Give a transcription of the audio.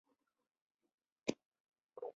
最先发现的裂变反应是由中子引发的裂变。